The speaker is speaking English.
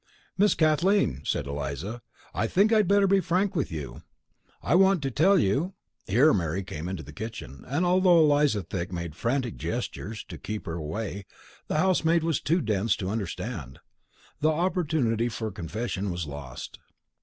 "Miss Kathleen," said Eliza, "I think I'd better be frank with you. I want to tell you " Here Mary came into the kitchen, and although Eliza Thick made frantic gestures to her to keep away, the housemaid was too dense to understand. The opportunity for confession was lost.